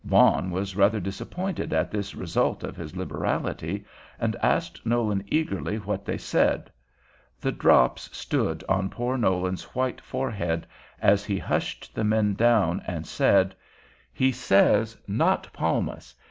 Vaughan was rather disappointed at this result of his liberality, and asked Nolan eagerly what they said. The drops stood on poor Nolan's white forehead, as he hushed the men down, and said: "He says, 'Not Palmas.'